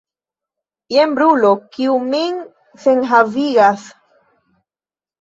Jen brulo, kiu min senhavigas.